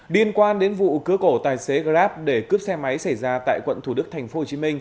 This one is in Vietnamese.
liên quan đến vụ cưới cổ tài xế grab để cướp xe máy xảy ra tại quận thủ đức tp hcm